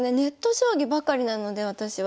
将棋ばかりなので私は。